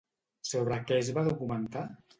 Sobre què es va documentar?